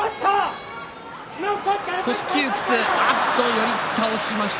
寄り倒しました。